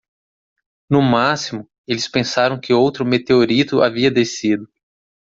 No máximo?, eles pensaram que outro meteorito havia descido.